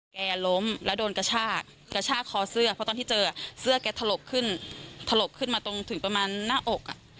ล้มแล้วโดนกระชากกระชากคอเสื้อเพราะตอนที่เจอเสื้อแกถลกขึ้นถลกขึ้นมาตรงถึงประมาณหน้าอก